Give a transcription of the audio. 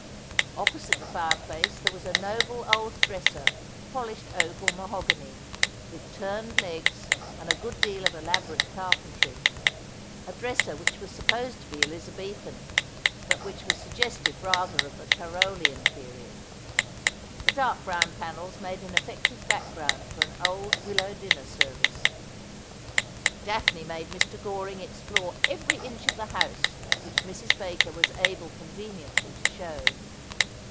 Opposite the fire place there was a noble old dresser — polished oak or mahogany — with turned legs and a good deal of elaborate carpentry : a dresser which was supposed to be Elizabethan, but which was suggestive rather of the Carolian period. The dark brown panels made an efEective background for an old willow dinner service. Daphne made Mr. Goring explore every inch of the house which Mrs. Baker was able conveniently to show.